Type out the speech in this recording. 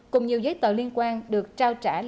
cùng nhiều giấy tờ liên quan được trao trả